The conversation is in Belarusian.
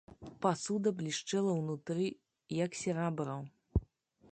Пасуда блішчэла ўнутры, як серабро.